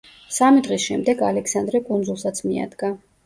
სამი დღის შემდეგ ალექსანდრე კუნძულსაც მიადგა.